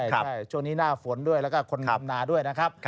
ใช่ช่วงนี้หน้าฝนด้วยแล้วก็คนทำนาด้วยนะครับ